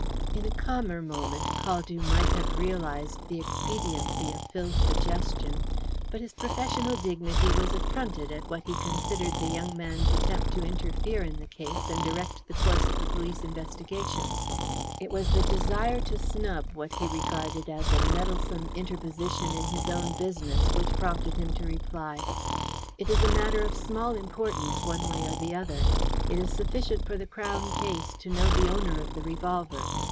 In a calmer moment Caldew might have realized the expediency of Phil's suggestion, but his professional dignity was affronted at what he considered the young man's attempt to interfere in the case and direct the course of the police investigations. It was the desire to snub what he regarded as a meddlesome interposition in his own business which prompted him to reply: "It is a matter of small importance, one way or the other. It is sufficient for the Crown case to know the owner of the revolver.